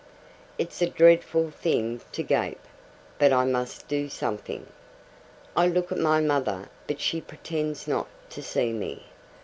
It's a dreadful thing to gape, but I must do something. I look at my mother, but she pretends not to see me.